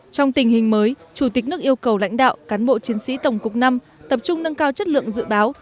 trong tình hình mới chủ tịch nước yêu cầu lãnh đạo cán bộ chiến sĩ tổng cục v tập trung nâng cao chất lượng dự báo